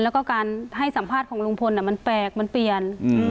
แล้วก็การให้สัมภาษณ์ของลุงพลมันแปลกมันเปลี่ยน